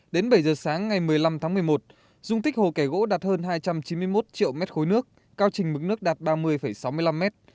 đến bảy giờ sáng ngày một mươi năm tháng một mươi một dung tích hồ kẻ gỗ đạt hơn hai trăm chín mươi một triệu mét khối nước cao trình mực nước đạt ba mươi sáu mươi năm mét